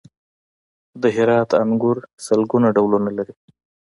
د هرات انګور سلګونه ډولونه لري.